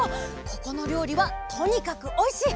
ここのりょうりはとにかくおいしい。